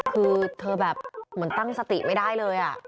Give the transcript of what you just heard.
คือเธอแบบเหมือนตั้งสติไม่ได้เลย